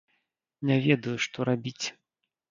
Не ведаю, што рабіць.